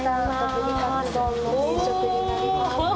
ブリカツ丼の定食になります。